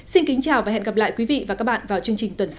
xin kính chào và hẹn gặp lại quý vị và các bạn vào chương trình tuần sau